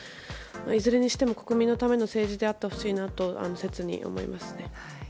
いずれにしても国民のための政治であってほしいなと切に思いますね。